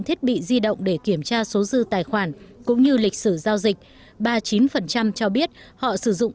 thiết bị di động để kiểm tra số dư tài khoản cũng như lịch sử giao dịch ba mươi chín cho biết họ sử dụng